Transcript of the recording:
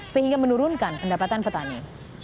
sehingga menurunkan pendapatan petani